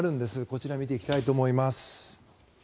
こちら見ていきたいと思います。